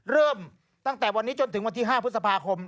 เริ่มตั้งแต่วันนี้จนถึงวันที่๕พฤษภาคม